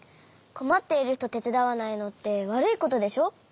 こまっているひとてつだわないのってわるいことでしょ？